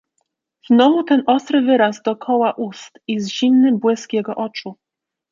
"Znowu ten ostry wyraz dokoła ust i zimny błysk jego oczu."